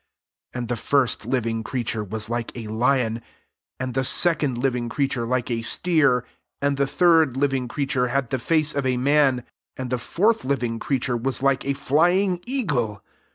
7 And the first liv ing creature was lik^ a lion, and the second living creature like a steer, and the third living creature had the face of a man, and the fourth living creature was like a flying eagle.